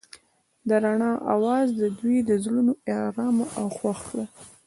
د رڼا اواز د دوی زړونه ارامه او خوښ کړل.